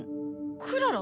クララ⁉